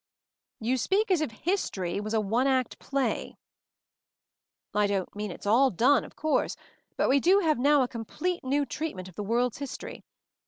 "You speak as if 'history' was a one act play." "I don't mean it's all done, of course — but we do have now a complete new treat ment of the world's history.